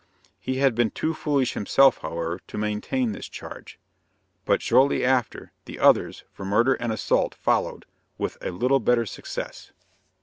He had been too foolish himself, however, to maintain this charge; but, shortly after, the others, for murder and assault, followed, with a little better success.